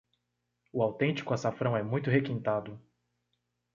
O autêntico açafrão é muito requintado